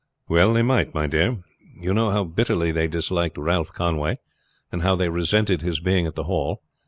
"Well, they might, my dear. You know how bitterly they disliked Ralph Conway, and how they resented his being at the Hall.